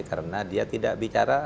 karena dia tidak bicara